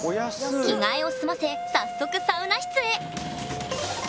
着替えを済ませ早速サウナ室へ！